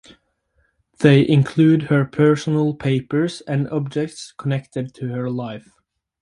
They include her personal papers and objects connected to her life.